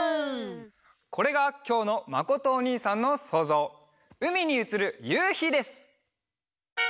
これがきょうのまことおにいさんのそうぞう「うみにうつるゆうひ」です！